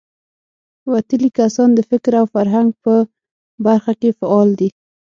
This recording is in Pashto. وتلي کسان د فکر او فرهنګ په برخه کې فعال دي.